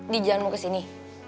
di jalanmu kesini